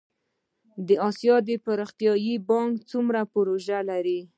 د اسیا پرمختیایی بانک څومره پروژې لري؟